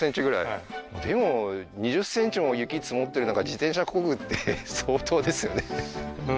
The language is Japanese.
はいでも２０ｃｍも雪積もってる中自転車こぐって相当ですよね